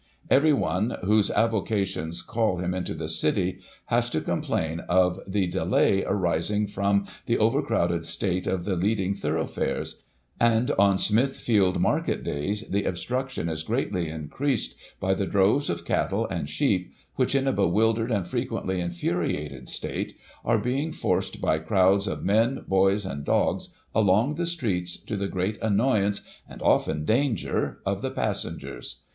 Everyone, whose avocations call him into the city, has to complain of the delay arising from the over crowded state of the leading thoroughfares ; and, on Smithfield Market days, the obstruction is greatly increased by the droves of cattle and sheep which, in a bewildered, and frequently infuriated state, are being forced by crowds of men, boys, and dogs, along the streets, to the great annoyance, and, often, danger, of the passengers.